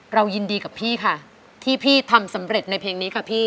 เรายินดีกับพี่ค่ะที่พี่ทำสำเร็จในเพลงนี้ค่ะพี่